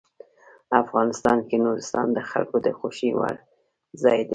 افغانستان کې نورستان د خلکو د خوښې وړ ځای دی.